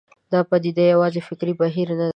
دا پدیده یوازې فکري بهیر نه ده.